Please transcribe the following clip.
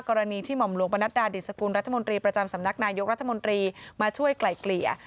กรณีที่หม่อมหลวงประนัดดาดิสกุลรัฐมนตรีประจำสำนักนายกรัฐมนตรีมาช่วยไกล่เกลี่ย